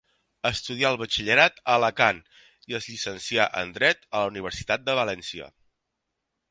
Estudià el batxillerat a Alacant i es llicencià en dret a la Universitat de València.